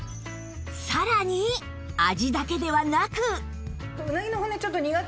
さらに味だけではなく